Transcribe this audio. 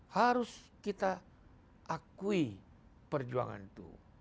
harus kita akui perjuangan itu